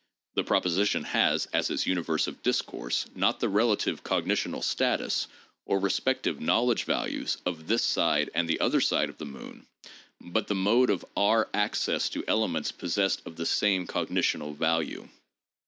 The proposition has as its universe of discourse not the relative cog nitional status, or respective knowledge values, of this side and the other side of the moon, but the mode of our access to elements pos sessed of the same cognitional value.